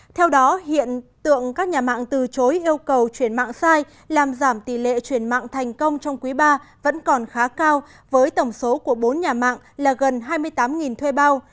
theo đó hiện tượng các nhà mạng từ chối yêu cầu chuyển mạng sai làm giảm tỷ lệ chuyển mạng thành công trong quý ba vẫn còn khá cao với tổng số của bốn nhà mạng là gần hai mươi tám thuê bao